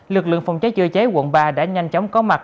lực lượng phòng cháy chữa cháy quận ba đã nhanh chóng có mặt